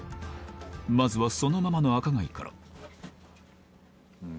まずはそのままの赤貝からうん。